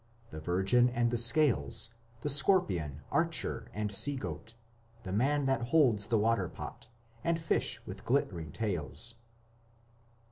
The Virgin and the Scales; The Scorpion, Archer, and Sea goat, The man that holds the water pot, And Fish with glitt'ring tails.